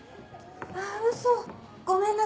あウソごめんなさい。